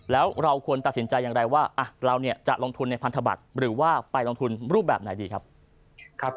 แล้วเราควรตัดสินใจอย่างไรว่าเราจะลงทุนในพันธบัตรหรือว่าไปลงทุนรูปแบบไหนดีครับ